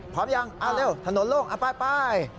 พร้อมหรือยังเร็วถนนลงไป